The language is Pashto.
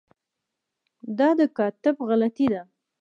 دا د کاتب غلطي ده.